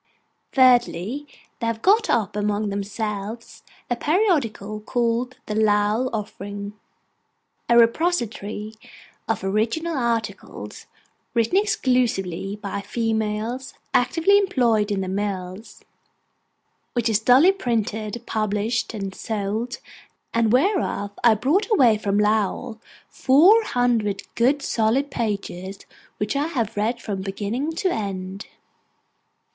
Thirdly, they have got up among themselves a periodical called THE LOWELL OFFERING, 'A repository of original articles, written exclusively by females actively employed in the mills,'—which is duly printed, published, and sold; and whereof I brought away from Lowell four hundred good solid pages, which I have read from beginning to end.